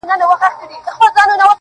که آرام غواړې، د ژوند احترام وکړه